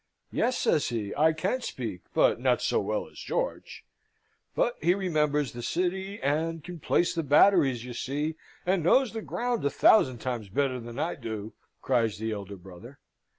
"Yes," says he, "I can speak, but not so well as George." "But he remembers the city, and can place the batteries, you see, and knows the ground a thousand times better than I do!" cries the elder brother.